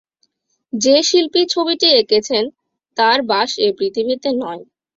যে-শিল্পী ছবিটি একৈছেন তাঁর বাস এ পৃথিবীতে নয়।